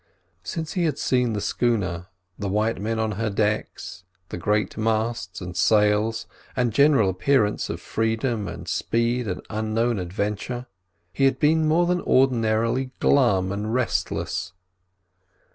Since he had seen the schooner, the white men on her decks, her great masts and sails, and general appearance of freedom and speed and unknown adventure, he had been more than ordinarily glum and restless.